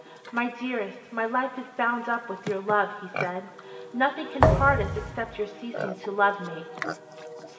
"My dearest, my life is bound up with your love," he said. "Nothing can part us except your ceasing to love me."